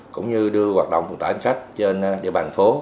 cũng như đưa hoạt động vận tài hành khách trên địa bàn phố